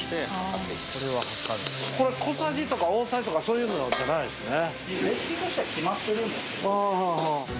小さじとか大さじとかそういうのじゃないんですね